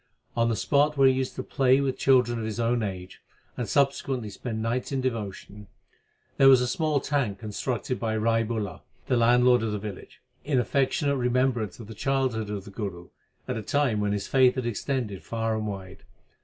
On the spot where he used to play with children of his own age and subsequently spend nights in devotion, there was a small tank constructed by Rai Bular, the landlord of the village, in affectionate remembrance of the childhood of the Guru, at a time when his fame had extended far and wide.